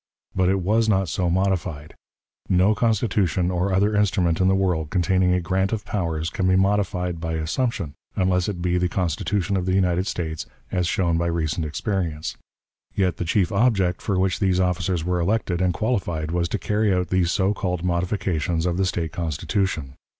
But it was not so modified. No Constitution or other instrument in the world containing a grant of powers can be modified by assumption, unless it be the Constitution of the United States, as shown by recent experience. Yet the chief object for which these officers were elected and qualified was to carry out these so called modifications of the State Constitution.